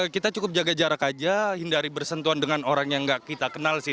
kita cukup jaga jarak aja hindari bersentuhan dengan orang yang nggak kita kenal sih